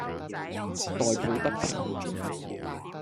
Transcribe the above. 代抱不平；